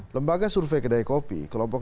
lembaga survei kedai kopi kelompok